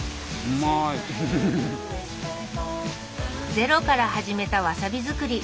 ゼロから始めたわさび作り